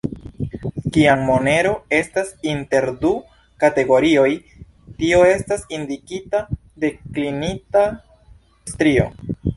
Kiam monero estas inter du kategorioj, tio estas indikita de klinita strio.